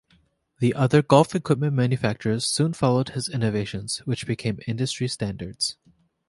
The other golf equipment manufacturers soon followed his innovations, which became industry standards.